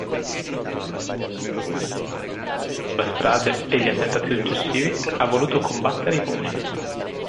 Nella sentenza si sostiene che Giuliano compiendo la strage e gli attentati successivi ha voluto combattere i comunisti.